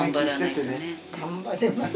頑張ります。